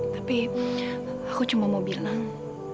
tapi aku cuma mau bilang